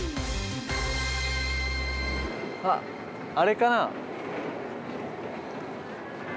あっあれかな？